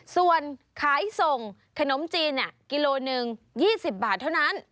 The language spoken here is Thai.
ส่วนขายส่งขนมจีนกิโลหนึ่ง๒๐บาทเท่านั้น